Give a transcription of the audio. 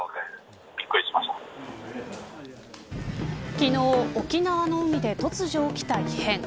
昨日、沖縄の海で突如起きた異変。